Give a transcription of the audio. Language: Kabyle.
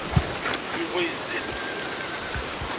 Yuba yezzi-d